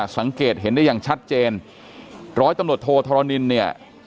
สังเกตเห็นได้อย่างชัดเจนร้อยตำรวจโทธรณินเนี่ย